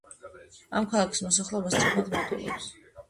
ამ ქალაქის მოსახლეობა სწრაფად მატულობს.